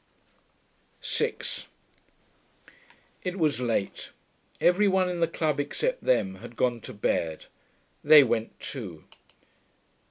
6 It was late. Every one in the club except them had gone to bed. They went too.